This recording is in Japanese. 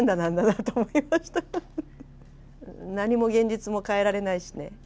何も現実も変えられないしね。